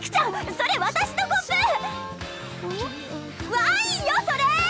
ワインよそれ！